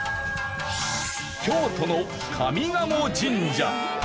京都の上賀茂神社。